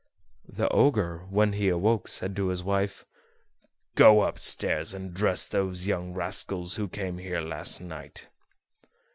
The Ogre, when he awoke, said to his wife: "Go upstairs and dress those young rascals who came here last night."